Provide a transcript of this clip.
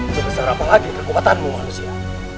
sebesar apa lagi kekuatanmu manusia